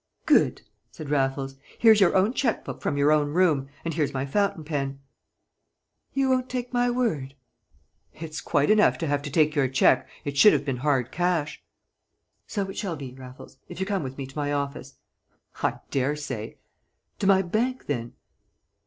"Good!" said Raffles. "Here's your own cheque book from your own room, and here's my fountain pen." "You won't take my word?" "It's quite enough to have to take your cheque; it should have been hard cash." "So it shall be, Raffles, if you come up with me to my office!" "I dare say." "To my bank, then!"